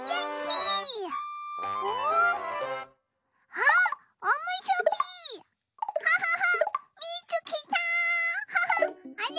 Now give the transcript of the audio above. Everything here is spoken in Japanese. あれ？